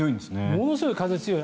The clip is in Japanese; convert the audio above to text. ものすごく風が強い。